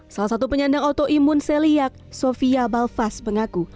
salah satu penyandang autoimun seliyak sofia balfas mengaku